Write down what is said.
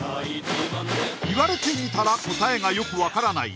言われてみたら答えがよく分からない